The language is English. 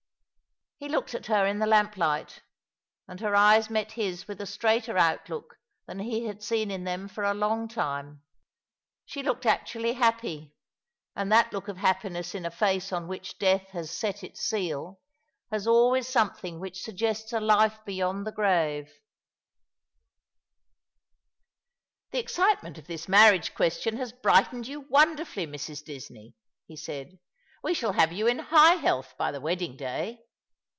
He looked at her in the lamplight, and her eyes met his with a straighter outlook than he had seen in them for a long time. She looked actually happy, and that look of happiness in a face on which death has set its seal has always something which suggests a life beyond tb ^ grave. 286 All along the River. " The excitement of this marriage question has brightened yon wonderfully, Mrs. Disney," he said. "Y/e shall have you in high health by the wedding day."